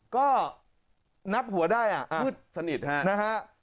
ก็นับหัวได้อ่ะ